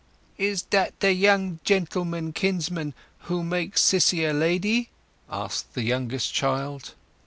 "Is dat the gentleman kinsman who'll make Sissy a lady?" asked the youngest child.